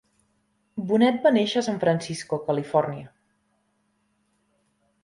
Bonet va néixer a San Francisco, Califòrnia.